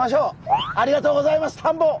ありがとうございます田んぼ！